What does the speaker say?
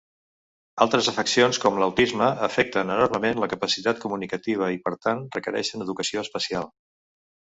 Altres afeccions com l'autisme afecten enormement la capacitat comunicativa i per tant requereixen educació especial.